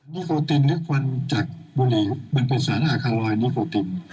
นิโคตินหรือควันจากบุรีมันเป็นสารอาคารลอยนิโคติน